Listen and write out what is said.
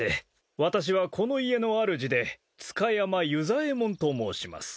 私はこの家のあるじで塚山由左衛門と申します。